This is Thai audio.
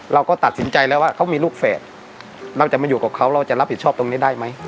เราก็ตัดสินใจแล้วว่าเขามีลูกแฝดเราจะมาอยู่กับเขาเราจะรับผิดชอบตรงนี้ได้ไหม